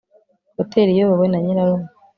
hoteri iyobowe na nyirarume